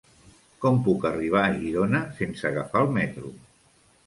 Com puc arribar a Girona sense agafar el metro?